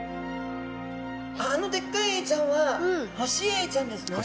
あのでっかいエイちゃんはホシエイちゃんですね。